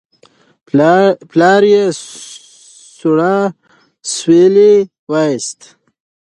پلار یې سوړ اسویلی وایست.